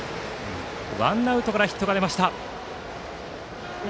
ワンアウトからヒットが出ました。